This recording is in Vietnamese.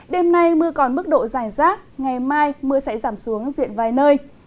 đêm nay mưa còn mức độ dài rác ngày mai mưa sẽ giảm xuống diện vài nơi